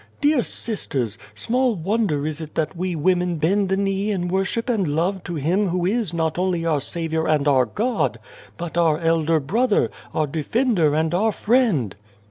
" Dear sisters, small wonder is it that we women bend the knee in worship and love to Him who is not only our Saviour and our God, but our Elder Brother, our Defender and our Friend.